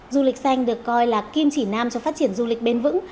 du lịch xanh được coi là kim chỉ nam cho phát triển du lịch bền vững